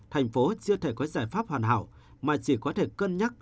thành phố chưa thể có giải pháp hoàn hảo mà chỉ có thể cân nhắc